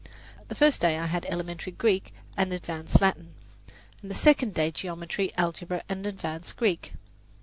The first day I had Elementary Greek and Advanced Latin, and the second day Geometry, Algebra and Advanced Greek.